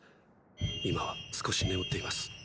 今は少し眠っています。